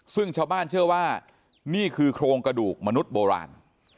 ซึ่งชาวบ้านเชื่อว่านี่คือโครงกระดูกมนุษย์โบราณ